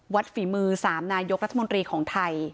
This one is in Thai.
ฝีมือ๓นายกรัฐมนตรีของไทย